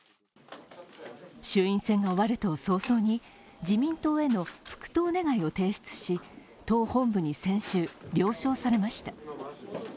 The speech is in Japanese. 衆院選が終わると早々に自民党への復党願を提出し、党本部に先週、了承されました。